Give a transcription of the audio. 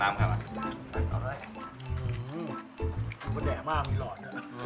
มันแก๋มากมีหล้อเฉย